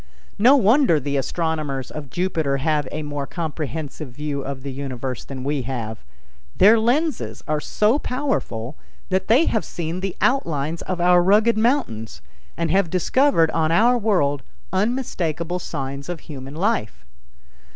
No wonder the astronomers of Jupiter have a more comprehensive view of the universe than we have. Their lenses are so powerful that they have seen the outlines of our rugged mountains, and have discovered on our world unmistakable signs of human life.